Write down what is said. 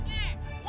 kurang ajar tuh